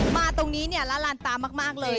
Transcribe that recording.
มาตรงนี้หลานตามมากเลย